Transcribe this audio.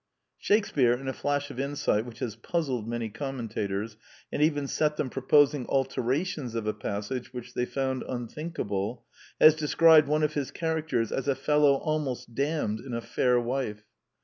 Shakespear, in a flash of insight which has puzzled many commentators, and even set them proposing alterations of a passage which they found unthinkable, has described one of his char acters as '' a fellow almost damned in a fair wife."